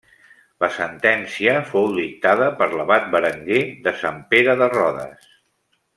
La sentència fou dictada per l'abat Berenguer de Sant Pere de Rodes.